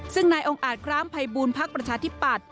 ซึ่งนายองค์อาจคล้ามภัยบูรณ์ภักดิ์ประชาธิบัตร